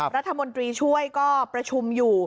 รัฐมนตรีช่วยก็ประชุมอยู่